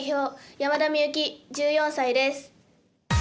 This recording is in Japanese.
山田美幸、１４歳です。